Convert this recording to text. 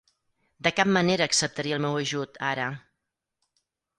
De cap manera acceptaria el meu ajut, ara.